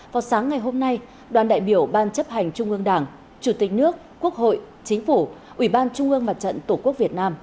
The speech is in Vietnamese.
vào sáng ngày hôm nay đoàn đại biểu ban chấp hành trung ương đảng chủ tịch nước quốc hội chính phủ ủy ban trung ương mặt trận tổ quốc việt nam